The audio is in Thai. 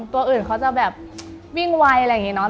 ตัวอื่นเขาจะแบบวิ่งไวอะไรอย่างนี้เนาะ